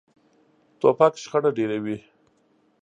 توپک شخړه ډېروي.